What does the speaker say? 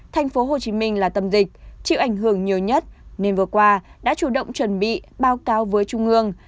tp hcm là tâm dịch chịu ảnh hưởng nhiều nhất nên vừa qua đã chủ động chuẩn bị báo cáo với trung ương